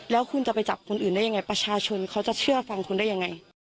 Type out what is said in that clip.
แล้วคุณจะไปจับคนอื่นได้ยังไงประชาชนเขาจะเชื่อฟังคุณได้ยังไง